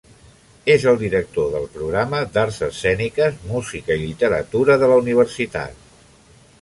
És el director del programa d'Arts Escèniques, Música i Literatura de la universitat.